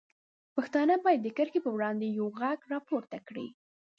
پښتانه باید د دې کرښې په وړاندې یوغږ راپورته کړي.